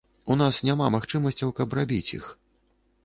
У нас няма магчымасцяў, каб рабіць іх.